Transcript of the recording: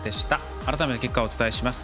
改めて、結果をお伝えします。